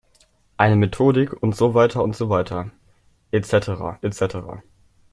Eine Methodik und so weiter und so weiter, et cetera, et cetera.